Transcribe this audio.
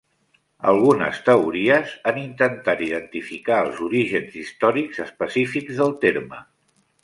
Algunes teories han intentat identificar els orígens històrics específics del terme.